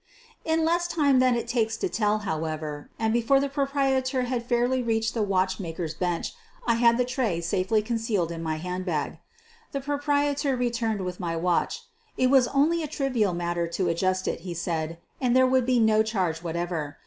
In less time than it takes to tell, how ever, and before the proprietor had fairly reached the watchmaker's bench, I had the tray safely con cealed in my handbag. The proprietor returned with my watch. It was only a trivial matter to adjust it, he said, and there would be no charge whatever.